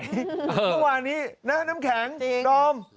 เมื่อวานนี้นะน้ำแข็งดอม